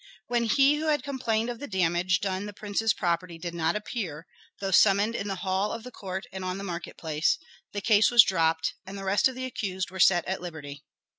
When he who had complained of the damage done the prince's property did not appear, though summoned in the hall of the court and on the market place, the case was dropped, and the rest of the accused were set at liberty.